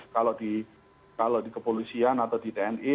kalau di kepolisian atau di tni